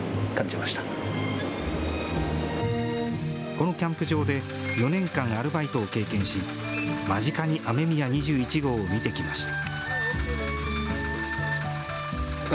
このキャンプ場で４年間アルバイトを経験し、間近に雨宮２１号を見てきました。